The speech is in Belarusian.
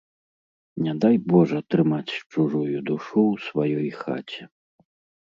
Не дай божа трымаць чужую душу ў сваёй хаце.